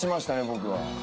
僕は。